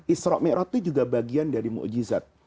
isra' mi'rat itu juga bagian dari mukjizat